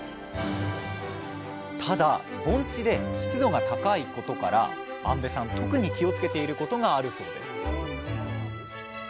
ただ盆地で湿度が高いことから安部さん特に気をつけていることがあるそうです